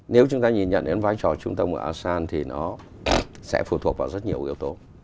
nếu chúng ta nhìn nhận đến vai trò trung tâm của asean thì nó sẽ phụ thuộc vào rất nhiều yếu tố